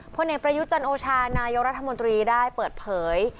เพราะในประยุจรรย์โอชานายรัฐมนตรีได้เปิดเผย